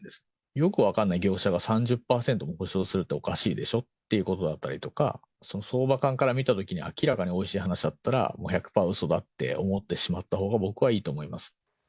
よく分からない業者が３０％も保証するっておかしいでしょっていうことだったりとか、その相場観から見たときに明らかにおいしい話だったら１００パーうそだって思ってしまったほうが僕はいいと思います。